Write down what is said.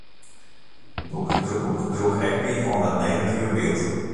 It boek droech ek by oan dat negative byld.